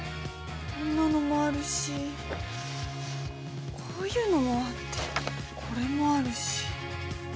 こんなのもあるしこういうのもあってこれもあるし。